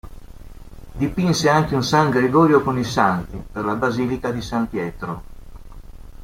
Dipinse anche un "San Gregorio con i Santi" per la basilica di San Pietro.